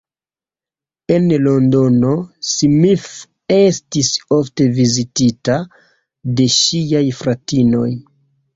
En Londono, Smith estis ofte vizitita de ŝiaj fratinoj.